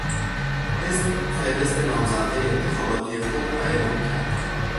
حزب فهرست نامزدهای انتخاباتی خود را اعلام کرد.